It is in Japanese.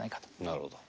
なるほど。